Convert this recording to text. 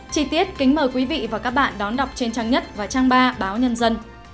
chi tiết kính mời quý vị và các bạn đón đọc trên trang nhất và trang ba báo nhân dân